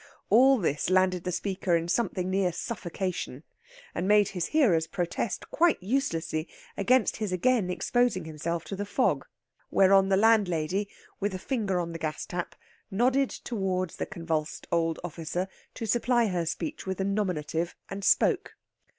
All this landed the speaker in something near suffocation, and made his hearers protest, quite uselessly, against his again exposing himself to the fog. Whereon the landlady, with a finger on the gas tap, nodded toward the convulsed old officer to supply her speech with a nominative, and spoke.